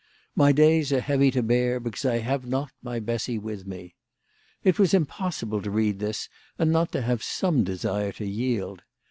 " My days are heavy to bear because I have not my Bessy with me." It was im possible to read this and not to have some desire to yield.